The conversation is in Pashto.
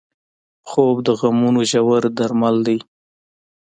خوب د غمونو ژور درمل دی